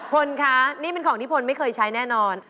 พลคะนี่เป็นของที่พลไม่เคยใช้แน่นอน